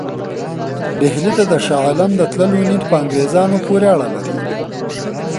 ډهلي ته د شاه عالم د تللو نیت په انګرېزانو پورې اړه لري.